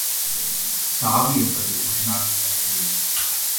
சாவு என்பது ஒருநாளில் வருவதில்லை.